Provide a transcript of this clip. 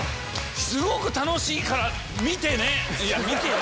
すごく楽しいから見てね！